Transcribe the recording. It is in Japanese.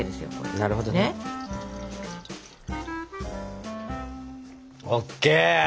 なるほどね。ＯＫ。